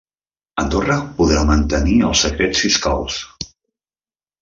Andorra podrà mantenir els secrets fiscals